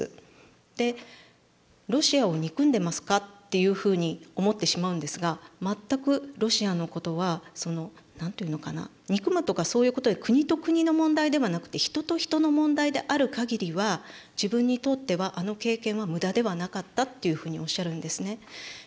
でロシアを憎んでますかっていうふうに思ってしまうんですが全くロシアのことはその何て言うのかな憎むとかそういうことではなく国と国の問題ではなくて人と人の問題である限りは自分にとってはあの経験は無駄ではなかったっていうふうにおっしゃるんですね。